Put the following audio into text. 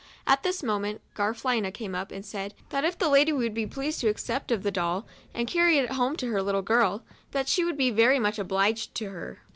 At this moment Garafelina came up, and said, that if the lady would be pleased to accept of the doll, and cari;y it home to her little girl, that she w T ould be very much obliged to her.